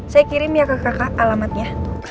saya kirim ya ke kakak alamatnya